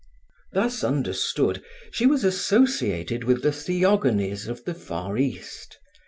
Thus understood, she was associated with the theogonies of the Far East.